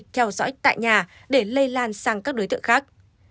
theo dõi tại nhà để lây lan sang các đối tượng khác